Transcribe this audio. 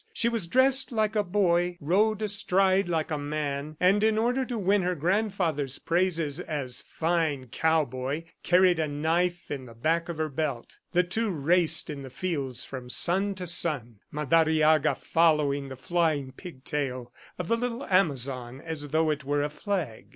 She was dressed like a boy, rode astride like a man, and in order to win her grandfather's praises as "fine cowboy," carried a knife in the back of her belt. The two raced the fields from sun to sun, Madariaga following the flying pigtail of the little Amazon as though it were a flag.